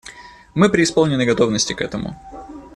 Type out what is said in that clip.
Мы преисполнены готовности к этому.